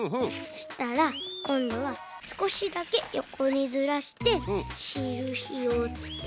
そしたらこんどはすこしだけよこにずらしてしるしをつけて。